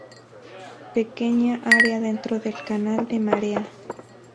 Pequeña área dentro del canal de marea.